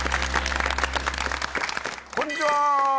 こんにちは！